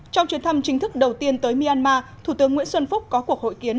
trong chuyến thăm chính thức đầu tiên tới myanmar thủ tướng nguyễn xuân phúc có cuộc hội kiến